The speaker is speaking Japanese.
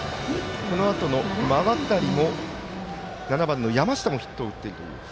このあとの馬渡も７番の山下もヒットを打っている。